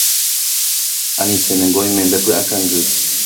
Anichénengo oime ndepy'akangy.